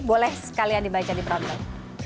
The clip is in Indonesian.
boleh sekalian dibaca di protein